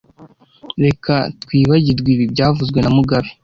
Reka twibagirwe ibi byavuzwe na mugabe